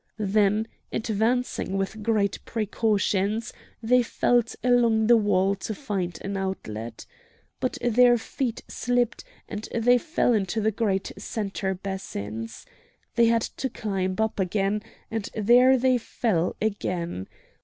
Then, advancing with great precautions, they felt along the wall to find an outlet. But their feet slipped, and they fell into the great centre basins. They had to climb up again, and there they fell again.